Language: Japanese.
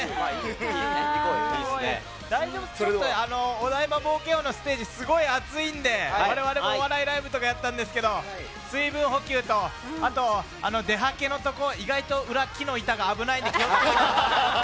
お台場冒険王のステージすごい暑いんでわれわれもお笑いライブとかやってるんですけど水分補給と、出はけのとこ意外と木の板が危ないので気を付けてください。